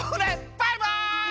バイバイ！